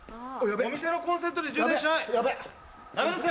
お店のコンセントで充電しないよ！